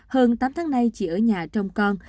hơn tám tháng nay chỉ ở nhà trong con